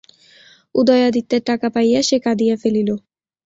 উদয়াদিত্যের টাকা পাইয়া সে কাঁদিয়া ফেলিল।